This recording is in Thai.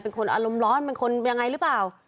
เป็นคนอารมณ์ร้อนเป็นคนยังไงหรือเปล่า